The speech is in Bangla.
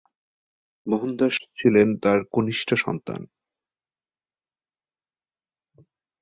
মোহনদাস ছিলেন তার কনিষ্ঠ সন্তান।